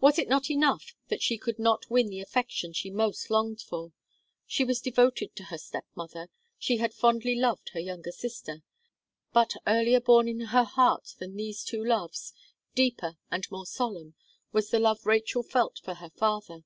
Was it not enough that she could not win the affection she most longed for? She was devoted to her step mother; she had fondly loved her younger sister; but earlier born in her heart than these two loves, deeper, and more solemn, was the love Rachel felt for her father.